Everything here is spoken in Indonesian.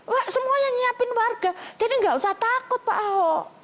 wah semuanya menyiapkan warga jadi enggak usah takut pak aho